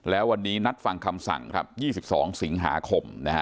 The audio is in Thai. แล้ววันนี้นัดฟังคำสั่งครับยี่สิบสองสิงหาคมนะฮะ